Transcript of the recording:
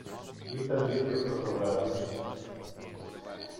Ήταν ήδη οκτώ το βράδυ